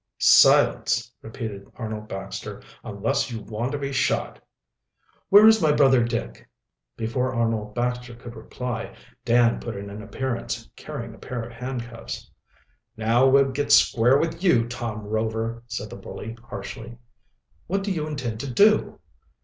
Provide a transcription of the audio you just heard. "Silence!" repeated Arnold Baxter, "unless you want to be shot." "Where is my brother Dick?" Before Arnold Baxter could reply Dan put in an appearance, carrying a pair of handcuffs. "Now, we'll get square with you, Tom Rover," said the bully harshly. "What do you intend to do?"